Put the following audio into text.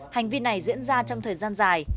hành vi này diễn ra trong thời gian dài